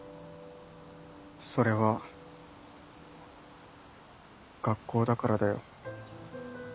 それは学校だからだよ。